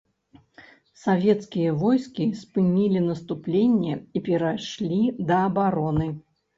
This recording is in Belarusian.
Савецкія войскі спынілі наступленне і перайшлі да абароны.